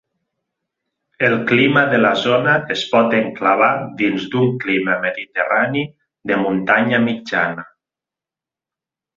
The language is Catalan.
El clima de la zona es pot enclavar dins d'un clima mediterrani de muntanya mitjana.